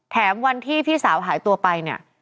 แถมวันที่พี่สาวหายตัวไปเนี่ย